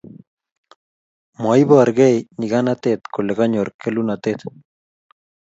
maibor kei nyikanatet kole kanyor kelunotet